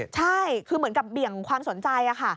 ใช่คือเหมือนกับเบี่ยงความสนใจค่ะ